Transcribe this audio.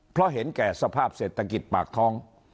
เพราะเห็นแก่สภาพเศรษฐกิจปากท้อง